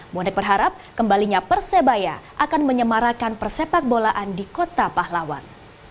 bonek berharap kembalinya persebaya akan menyemarakan persepak bolaan di kota pahlawan